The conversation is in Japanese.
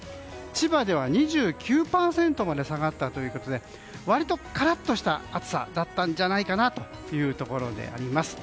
千葉では２９％まで下がったということで割とカラッとした暑さだったんじゃないかなというところです。